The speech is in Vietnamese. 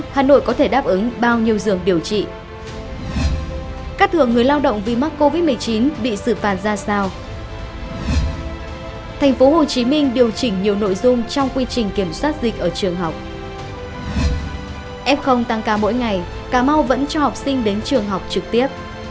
hãy đăng ký kênh để ủng hộ kênh của chúng mình nhé